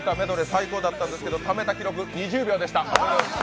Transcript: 最高だったんですけど、ためた記録２０秒でした。